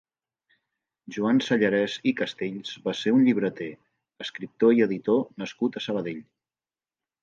Joan Sallarès i Castells va ser un llibreter, escriptor i editor nascut a Sabadell.